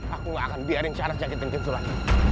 aku gak akan biarin sanas jaga tanken surat